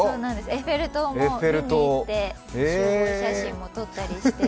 エッフェル塔も見にいって集合写真も撮ったりして。